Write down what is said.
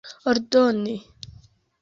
ordoni